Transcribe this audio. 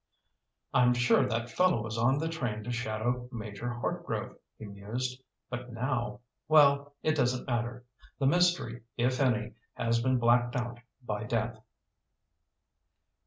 "I'm sure that fellow was on the train to shadow Major Hartgrove," he mused. "But now—well, it doesn't matter. The mystery, if any, has been blacked out by death."